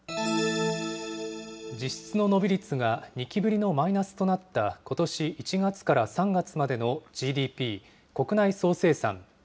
実際の伸び率が２期ぶりのマイナスとなった、ことし１月から３月までのＧＤＰ・国内総生産。